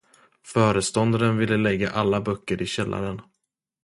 Föreståndaren ville lägga alla böcker i källaren.